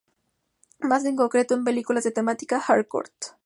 Más en concreto en películas de temática hardcore.